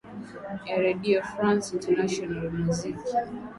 ya redio france international muziki